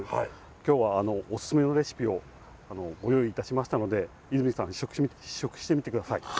きょうはお勧めのレシピをご用意いたしましたので、泉さん、試食してみてください。